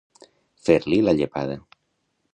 Fer-li la llepada.